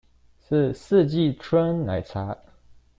是四季春奶茶